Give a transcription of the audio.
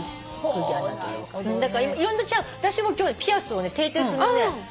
だからいろんな私も今日ピアスをねてい鉄のね